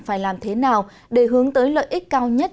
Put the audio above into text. phải làm thế nào để hướng tới lợi ích cao nhất